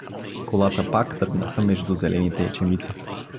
Колата пак тръгнаха между зелените ечемици.